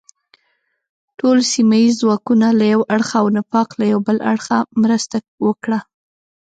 ټول سیمه ییز ځواکونه له یو اړخه او نفاق له بل اړخه مرسته وکړه.